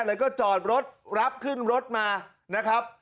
แล้วก็จอดรถรับขึ้นรถมานะครับ